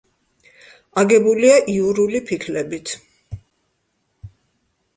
აგებულია იურული ფიქლებით.